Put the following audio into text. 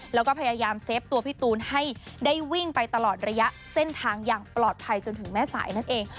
แล้วก็พยายามเซฟตัวพี่ตูนให้ได้วิ่งไปตลอดระยะเส้นทางอย่างปลอดภัยจนถึงแม่สายนั่นเอง